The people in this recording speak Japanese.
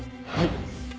はい。